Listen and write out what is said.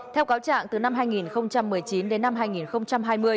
theo cáo trạng từ năm hai nghìn một mươi chín đến năm hai nghìn hai mươi